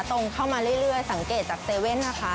ตรงเข้ามาเรื่อยสังเกตจาก๗๑๑นะคะ